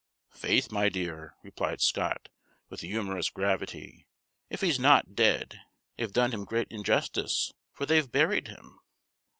"Faith, my dear," replied Scott, with humorous gravity, "if he's not dead they've done him great injustice for they've buried him."